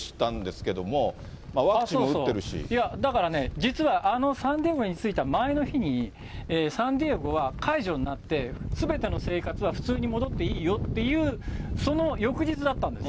だからね、実はあのサンディエゴに着いた前の日に、サンディエゴは解除になって、すべての生活は普通に戻っていいよっていう、その翌日だったんです。